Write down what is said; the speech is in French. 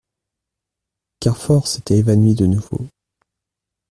Carfor s'était évanoui de nouveau.